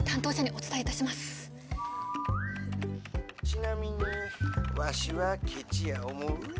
☎ちなみにわしはケチや思う？